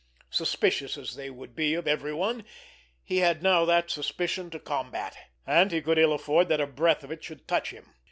Suspicious as they would be of every one, he now had that suspicion to combat, and he could ill afford that a breath of it should touch him.